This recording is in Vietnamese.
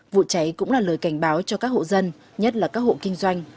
vụ cháy cũng là lời cảnh báo cho các hộ dân nhất là các hộ kinh doanh